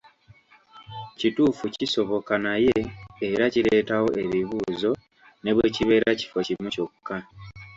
Kituufu kisoboka naye era kireetawo ebibuuzo ne bwekibeera kifo kimu kyokka.